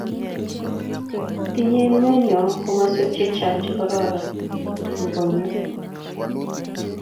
tinye emenyo komoswek che chang' che kororn eng' konyek